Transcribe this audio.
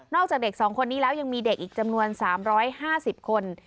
จากเด็ก๒คนนี้แล้วยังมีเด็กอีกจำนวน๓๕๐คน